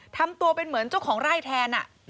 ทำตัวเป็นเหมือนเจ้าของไร่แทน